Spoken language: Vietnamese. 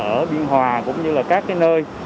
ở biên hòa cũng như là các nơi